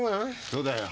そうだよ。